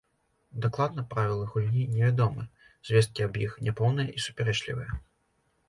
Дакладна правілы гульні невядомы, звесткі аб іх няпоўныя і супярэчлівыя.